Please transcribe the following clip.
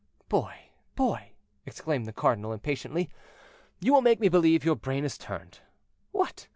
"Boy, boy!" exclaimed the cardinal impatiently, "you will make me believe your brain is turned. What!